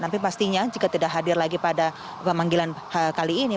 tapi pastinya jika tidak hadir lagi pada pemanggilan kali ini